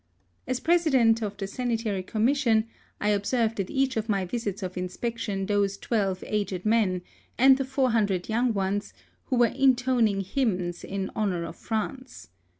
As president of the sanitary commission, I observed at each of my visits of inspection those twelve aged men, and the four hun dred young ones, who were intoning hymns in honour of France.